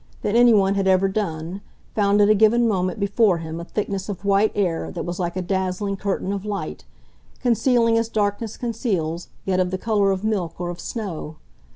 than anyone had ever done, found at a given moment before him a thickness of white air that was like a dazzling curtain of light, concealing as darkness conceals, yet of the colour of milk or of snow.